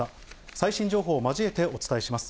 最新情報を交えてお伝えします。